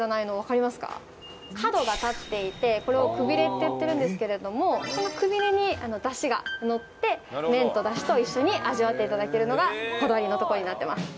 角が立っていてこれをくびれって言ってるんですけれどもこのくびれにだしがのって麺とだしと一緒に味わって頂けるのがこだわりのとこになってます。